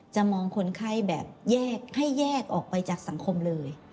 มองคนไข้แบบแยกให้แยกออกไปจากสังคมเลย